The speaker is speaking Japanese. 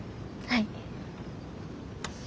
はい。